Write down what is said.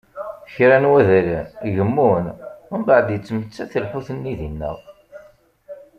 Kra n wadalen, gemmun umbeεed yettmettat lḥut-nni dinna.